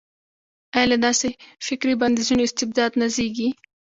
ایا له داسې فکري بندیزونو استبداد نه زېږي.